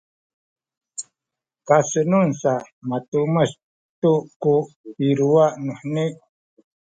kasenun sa matumes tu ku biluwa nuheni